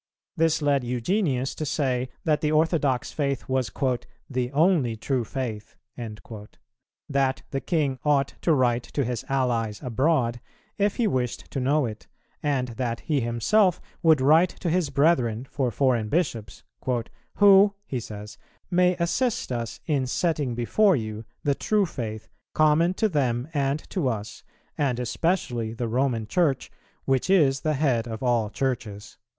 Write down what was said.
This led Eugenius to say that the orthodox faith was "the only true faith;" that the king ought to write to his allies abroad, if he wished to know it, and that he himself would write to his brethren for foreign bishops, "who," he says, "may assist us in setting before you the true faith, common to them and to us, and especially the Roman Church, which is the head of all Churches."